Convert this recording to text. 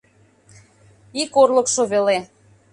Ик орлыкшо веле...